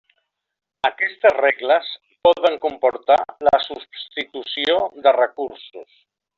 Aquestes regles poden comportar la substitució de recursos.